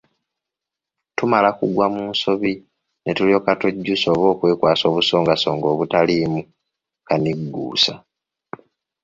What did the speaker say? Tumala kugwa mu nsobi ne tulyoka twejjusa oba okwekwasa obusongasonga obutaliimu kanigguusa.